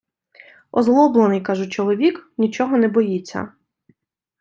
Озлоблений, кажу, чоловік нічого не боїться...